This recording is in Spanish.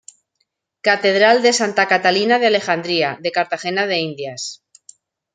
Catedral de Santa Catalina de Alejandría de Cartagena de Indias